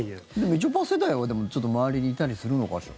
みちょぱ世代は周りにいたりするのかしら。